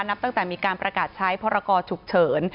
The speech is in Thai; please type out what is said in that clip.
นับตั้งแต่มีการประกาศใช้พรกรฉุกเฉิน